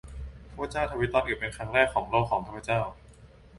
ข้าพเจ้าทวิตตอนอึเป็นครั้งแรกของโลก ของข้าพเจ้า